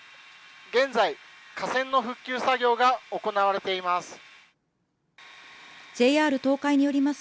現在、架線の復旧作業が行われています。